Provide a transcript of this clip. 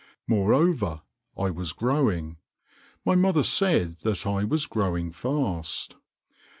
Moreover, I was growing; my mother said that I was growing fast.